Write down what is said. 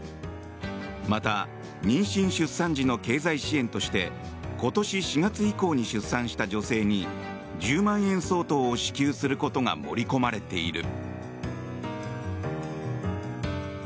また妊娠・出産時の経済支援として今年４月以降に出産した女性に１０万円相当を支給することが盛り込まれている。